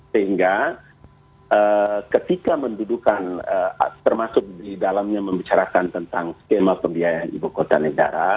sehingga ketika mendudukan termasuk di dalamnya membicarakan tentang skema pembiayaan ibu kota negara